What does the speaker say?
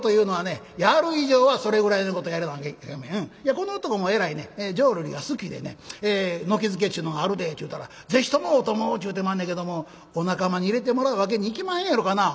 この男もえらいね浄瑠璃が好きでね『軒づけっちゅうのがあるで』って言うたら『ぜひともお供を』っちゅうてまんねんけどもお仲間に入れてもらうわけにいきまへんやろかな」。